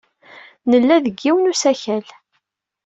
Nella deg yiwen n usakal.